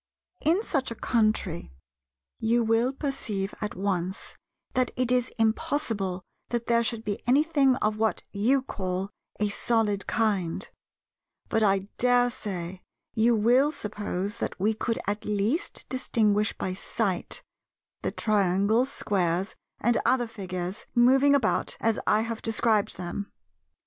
In such a country, you will perceive at once that it is impossible that there should be anything of what you call a "solid" kind; but I dare say you will suppose that we could at least distinguish by sight the Triangles, Squares, and other figures, moving about as I have described them.